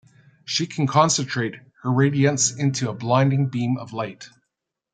She can concentrate her radiance into a blinding beam of light.